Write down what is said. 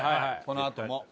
このあとも。